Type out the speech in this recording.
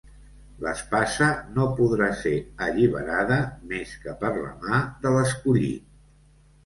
L'espasa no podrà ser alliberada més que per la mà de l'Escollit.